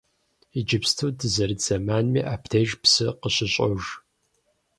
Иджыпсту дызэрыт зэманми абдеж псы къыщыщӏож.